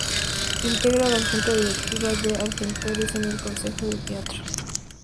Integra la junta directiva de Argentores en el Consejo de Teatro.